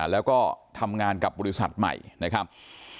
แล้วก็ทำงานกับบริษัทใหม่นะครับ